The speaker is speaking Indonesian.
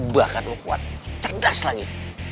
bahkan lo kuat cerdas lagi